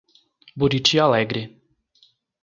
Buriti Alegre